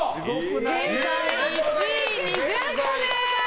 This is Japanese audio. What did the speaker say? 現在１位、２０個です。